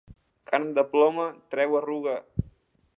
Carn de ploma treu arruga.